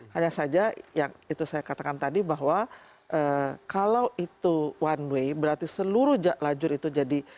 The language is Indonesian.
hanya saja yang itu saya katakan tadi bahwa kalau itu one way berarti seluruh lajur itu jadi